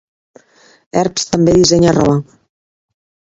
Herbst també dissenya roba.